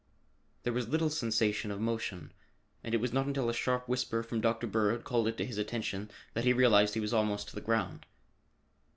There was little sensation of motion, and it was not until a sharp whisper from Dr. Bird called it to his attention that he realized that he was almost to the ground.